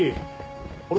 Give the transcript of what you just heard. あれ？